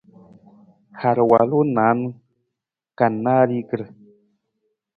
Har walu na naan ka nanrigir.